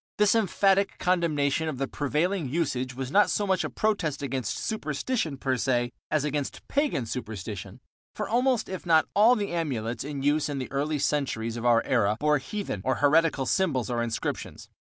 This emphatic condemnation of the prevailing usage was not so much a protest against superstition per se as against pagan superstition, for almost if not all the amulets in use in the early centuries of our era bore heathen or heretical symbols or inscriptions.